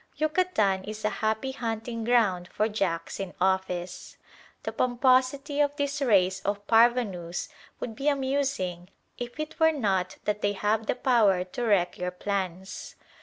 Yucatan is a happy hunting ground for "Jacks in Office." The pomposity of this race of parvenus would be amusing if it were not that they have the power to wreck your plans.